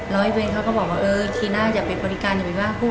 แล้วเอ้ยเบนเค้าก็บอกว่าเออคีทีนะอย่าไปบริการอย่าไปบ้านคูก